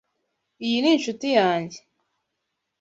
Iyi ni inshuti yanjye.